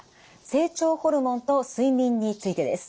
成長ホルモンと睡眠の関係についての質問です。